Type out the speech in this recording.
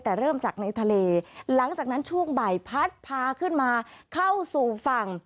แต่เริ่มจากในทะเลหลังจากนั้นช่วงบ่ายพัดพาขึ้นมาเข้าสู่ฝั่ง